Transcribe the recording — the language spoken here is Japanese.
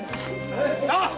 さあ！